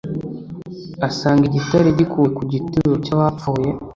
asanga igitare gikuwe ku gituro cyabapfuye